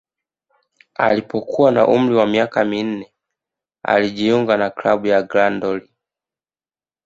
Alipokuwa na umri wa miaka minne alijiunga na klabu ya Grandoli